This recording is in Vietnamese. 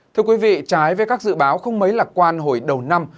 thưa quý vị trái với các dự báo không mấy lạc quan hồi đầu năm